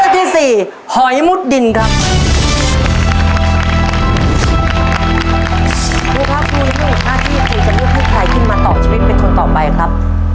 นี่ค่ะกูแน่นอนมาแล้วน่าที่จะลุ่มให้ใครกลับมาต่อชีวิตเป็นคนต่อไปครับ